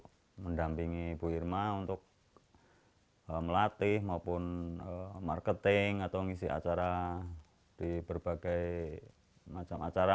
saya selalu berdoa untuk mendampingi bu irma untuk melatih maupun marketing atau mengisi acara di berbagai macam acara